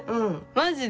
マジで？